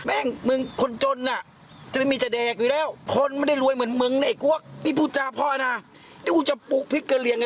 แซ่บร้นโอ้โฮนี่เอาอีกแล้วดูข่าวเมื่อวานตกใจเลย